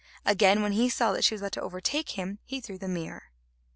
Again, when he saw that she was about to overtake him, he threw the mirror.